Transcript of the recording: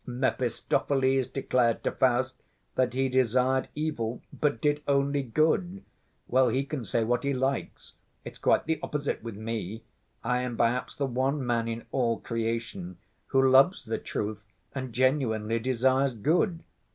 Mephistopheles declared to Faust that he desired evil, but did only good. Well, he can say what he likes, it's quite the opposite with me. I am perhaps the one man in all creation who loves the truth and genuinely desires good.